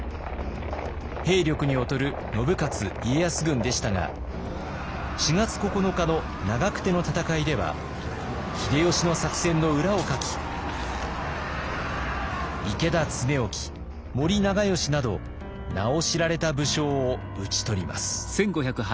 兵力に劣る信雄・家康軍でしたが４月９日の長久手の戦いでは秀吉の作戦の裏をかき池田恒興森長可など名を知られた武将を討ち取ります。